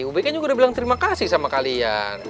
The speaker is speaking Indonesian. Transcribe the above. ub kan juga udah bilang terima kasih sama kalian